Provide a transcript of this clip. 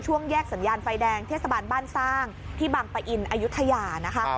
แยกสัญญาณไฟแดงเทศบาลบ้านสร้างที่บังปะอินอายุทยานะคะ